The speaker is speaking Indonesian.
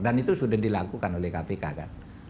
dan itu sudah dilakukan oleh kpk kan